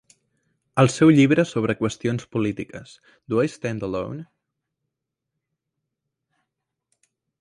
Al seu llibre sobre qüestions polítiques, "Do I Stand Alone?